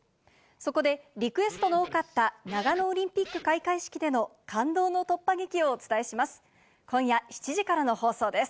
そこで、リクエストの多かった長野オリンピック開会式での感動の突破劇をお伝えします。